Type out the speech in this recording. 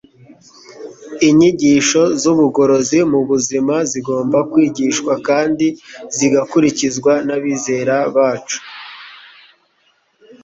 inyigisho z'ubugorozi mu by'ubuzima zigomba kwigishwa kandi zigakurikizwa n'abizera bacu